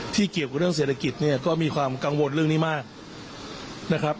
เกี่ยวกับเรื่องเศรษฐกิจเนี่ยก็มีความกังวลเรื่องนี้มากนะครับ